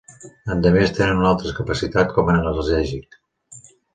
Endemés tenen una alta capacitat com a analgèsic.